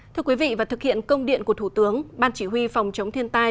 thưa quý vị và thực hiện công điện của thủ tướng ban chỉ huy phòng chống thiên tai